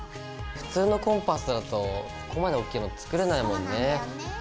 普通のコンパスだとここまで大きいの作れないもんね。